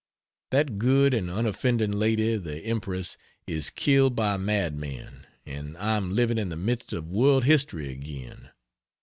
That good and unoffending lady the Empress is killed by a mad man, and I am living in the midst of world history again.